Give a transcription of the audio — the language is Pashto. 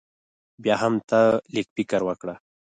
بيا هم تۀ لږ فکر وکړه